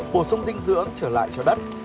bổ sung dinh dưỡng trở lại cho đất